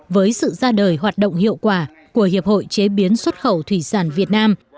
với sự ra đời hoạt động hiệu quả của hiệp hội chế biến xuất khẩu thủy sản việt nam